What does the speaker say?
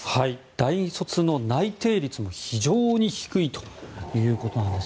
大卒の内定率も非常に低いということなんです。